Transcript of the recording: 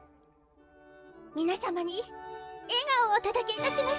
皆様に笑顔をお届けいたします。